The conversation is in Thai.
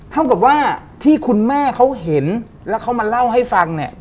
เท่ากับว่าที่คุณแม่เขาเห็นแล้วเขามาเล่าให้ฟังเนี่ย